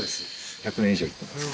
１００年以上いってます。